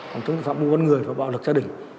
phòng chống tội phạm buôn văn người và bạo lực gia đình